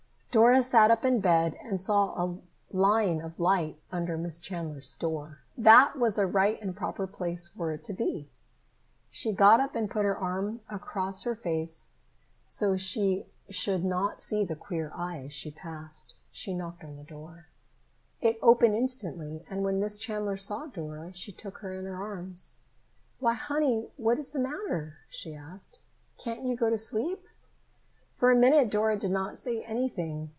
Dora sat up in bed and saw a line of light under Miss Chandler's door. That was a right and proper place for it to be. She got up and put her arm across her face so she should not see the queer eye as she passed. She knocked on the door. It opened instantly and when Miss Chandler saw Dora, she took her in her arms. "Why, honey, what is the matter?" she asked. "Can't you go to sleep?" For a minute Dora did not say anything.